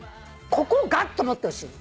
ここをガッと持ってほしいの。